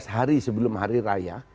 empat belas hari sebelum hari raya